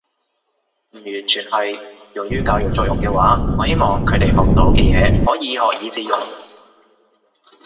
唔完全係。用於教育作用嘅話，我希望佢哋學到嘅嘢可以學以致用